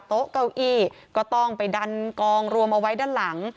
โต๊ะเก้าอี้ก็ต้องไปดันกองรวมเอาไว้ด้านหลัง